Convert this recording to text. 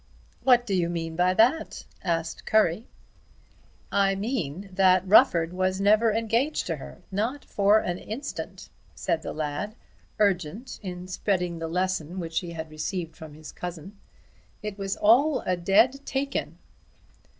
"What do you mean by that?" asked Currie. "I mean that Rufford was never engaged to her, not for an instant," said the lad, urgent in spreading the lesson which he had received from his cousin. "It was all a dead take in."